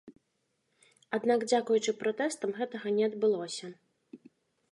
Аднак дзякуючы пратэстам гэтага не адбылося.